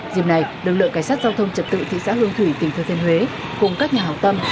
dịp này lực lượng cảnh sát giao thông trật tự thị xã hương thủy tỉnh thừa thiên huế cùng các nhà hào tâm